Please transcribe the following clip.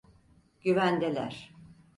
Güvendeler.